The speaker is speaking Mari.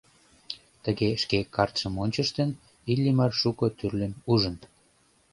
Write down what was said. Тыге шке картшым ончыштын, Иллимар шуко тӱрлым ужын.